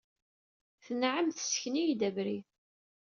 Temɛen, tessken-iyi-d abrid.